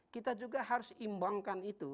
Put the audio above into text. kita juga harus imbangkan itu